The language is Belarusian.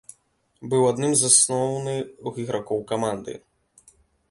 Быў адным з асноўны ігракоў каманды.